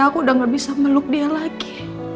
aku udah gak bisa meluk dia lagi